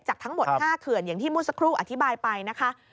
จากทั้งหมด๕เขื่อนอย่างที่มุสคลุอธิบายไปนะคะ